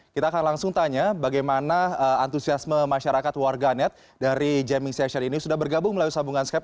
kita akan langsung tanya bagaimana antusiasme masyarakat warga net dari jamming session ini sudah bergabung melalui sambungan skype